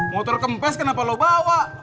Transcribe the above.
motor kempes kenapa lo bawa